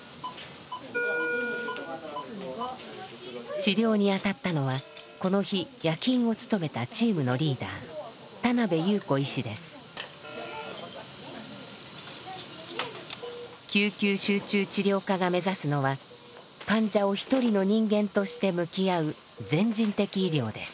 治療にあたったのはこの日夜勤を務めたチームのリーダー救急集中治療科が目指すのは患者を一人の人間として向き合う「全人的医療」です。